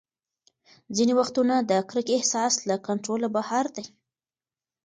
ځینې وختونه د کرکې احساس له کنټروله بهر دی.